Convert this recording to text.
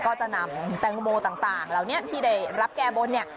ก็จะนำแตงโมต่างต่างแล้วเนี่ยที่ได้รับแก้บ้นเนี่ย